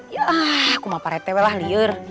ya aku mah pak rete lah liur